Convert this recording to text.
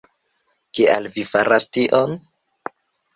Kial vi faras tion?